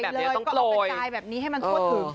ก็เอาเป็นจ่ายแบบนี้ให้มันทั่วถึง